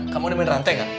kamu udah minum rantai nggak